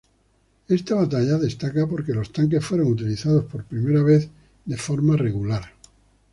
Esta batalla destaca porque los tanques fueron utilizados por primera vez de forma regular.